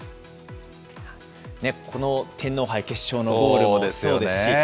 この天皇杯決勝のゴールもですよね。